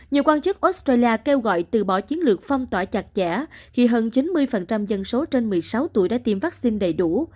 nhiều quan chức australia kêu gọi từ bỏ chiến lược phong tỏa chặt chẽ khi hơn chín mươi dân số trên một mươi sáu tuổi đã tiêm vaccine đầy đủ